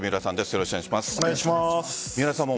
よろしくお願いします。